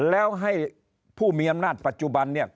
แล้วให้ผู้มีอำนาจปัจจุบันเนี่ย